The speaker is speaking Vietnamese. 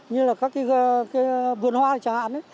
như là các cái vườn hoa chẳng hạn ấy